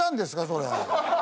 それ。